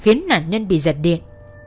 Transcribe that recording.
khiến nạn nhân bị giật điện